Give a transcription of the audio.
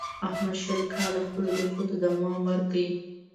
احمد شل کاله خپلو درسونو ته دوام ورکړ.